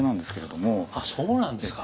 あっそうなんですか。